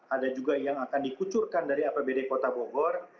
ada juga yang akan dikucurkan dari apbd kota bogor